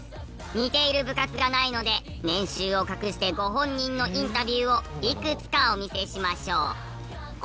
似ている部活がないので年収を隠してご本人のインタビューをいくつかお見せしましょう。